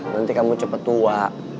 nanti kamu cepet tua